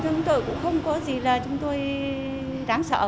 chúng tôi cũng không có gì là chúng tôi đáng sợ